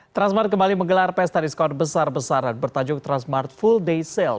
transmart kembali menggelar pesta diskon besar besaran bertajuk transmart full day sale